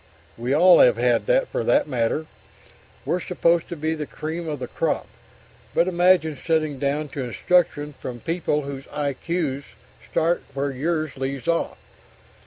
We all have had, for that matter. We're supposed to be the cream of the crop, but imagine sitting down to instruction from people whose I.Q.s start where yours leaves off!